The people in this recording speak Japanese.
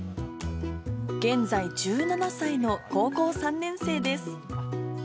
現在１７歳の高校３年生です。